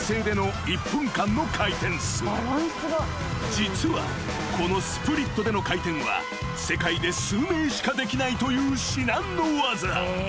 ［実はこのスプリットでの回転は世界で数名しかできないという至難の業］